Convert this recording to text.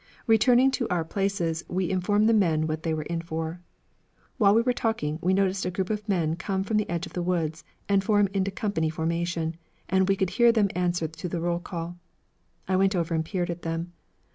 Returning to our places, we informed the men of what they were in for. While we were talking, we noticed a group of men come from the edge of the woods and form into company formation, and we could hear them answer to the roll call. I went over and peered at them.